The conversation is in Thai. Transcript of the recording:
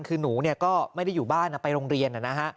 คือหนูก็ไม่ได้อยู่บ้านไปโรงเรียนนะฮะ